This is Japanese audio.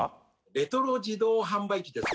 「レトロ自動販売機です」